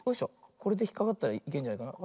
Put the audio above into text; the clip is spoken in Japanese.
これでひっかかったらいけんじゃないかな。